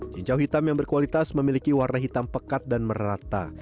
cincau hitam yang berkualitas memiliki warna hitam pekat dan merata